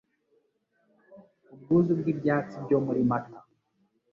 Ubwuzu bw'ibyatsi byo muri Mata,